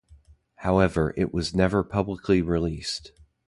However, it was never publicly released.